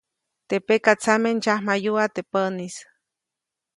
Teʼ pekatsame ndsyamjayuʼa teʼ päʼnis.